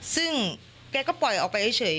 ซึ่งแกก็ปล่อยออกไปเฉย